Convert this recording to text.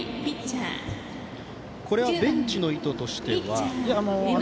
これはベンチの意図としては？